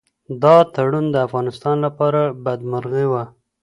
دا تړون د افغانستان لپاره بدمرغي وه.